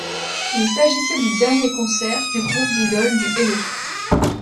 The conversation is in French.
Il s'agissait du dernier concert du groupe d'idoles du Hello!